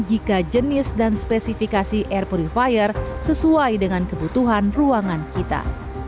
jika jenis dan spesifikasi air purifier sesuai dengan kebutuhan ruangan kita